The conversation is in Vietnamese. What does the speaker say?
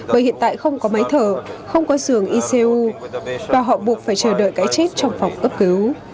bởi hiện tại không có máy thở không có giường icu và họ buộc phải chờ đợi cái chết cho chúng ta